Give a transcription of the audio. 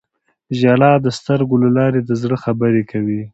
• ژړا د سترګو له لارې د زړه خبرې کوي.